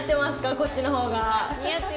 こっちのほうが。